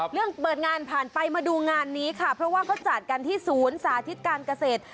เรื่องเปิดงานผ่านไปมาดูงานนี้ค่ะเพราะว่าเขาจัดกันที่ศูนย์สาธิตการเกษตร